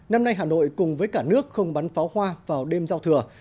năm nay hà nội cùng với cả nước không bắn pháo hoa vào đêm giao thừa